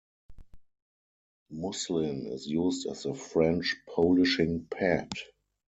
Muslin is used as a French polishing pad.